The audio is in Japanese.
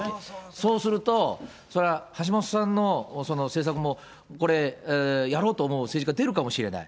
そうすると、そりゃ、橋下さんのその政策もこれ、やろうと思う政治家、出るかもしれない。